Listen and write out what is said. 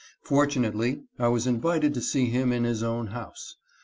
Fortunately, I was invited to see him in his own house.